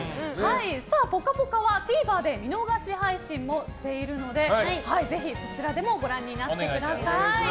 「ぽかぽか」はＴＶｅｒで見逃し配信もしているのでぜひ、そちらでもご覧になってください。